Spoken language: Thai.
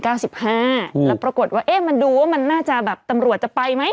แล้วปรากฏว่ามันดูว่ามันน่าจะแบบตำรวจจะไปไหม